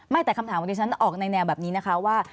แต่คำถามของดิฉันออกในแนวแบบนี้นะคะว่า